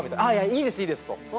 「いいですいいです」と。